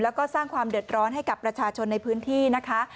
แล้วก็สร้างความเดือดร้อนให้กับประชาชนในพื้นที่นะคะ